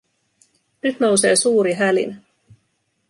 Nyt nousee suuri hälinä.